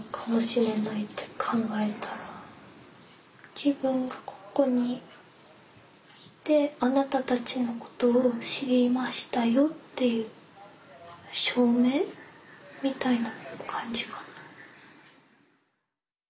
自分がここにいてあなたたちのことを知りましたよっていう証明みたいな感じかな。